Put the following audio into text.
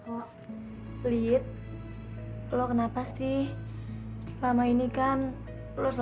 tapi saya sudah lama saat ini keluar dari rumah ibu saya